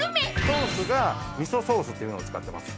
ソースが味噌ソースっていうの使ってます。